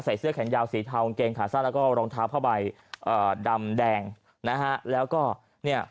เสื้อแขนยาวสีเทากางเกงขาสั้นแล้วก็รองเท้าผ้าใบเอ่อดำแดงนะฮะแล้วก็เนี่ย